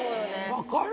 分かる！